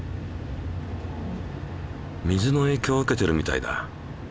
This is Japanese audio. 水のえいきょうを受けてるみたいだ。